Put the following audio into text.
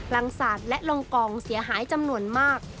ลังศาสตร์และลงกองเสียหายจำนวนมาก